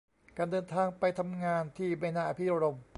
การเดินทางไปทำงานที่ไม่น่าอภิรมย์